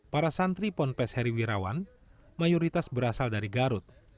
para santri ponpes heri wirawan mayoritas berasal dari garut